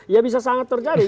ya bisa sangat terjadi